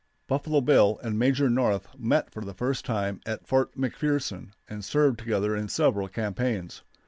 Buffalo Bill and Major North met for the first time at Fort McPherson, and served together in several campaigns.